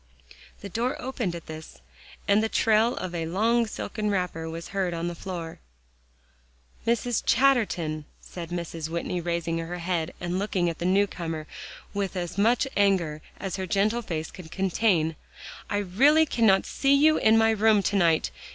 The door opened at this, and the trail of a long silken wrapper was heard on the floor. "Mrs. Chatterton," said Mrs. Whitney, raising her head and looking at the new comer with as much anger as her gentle face could contain, "I really cannot see you in my room to night.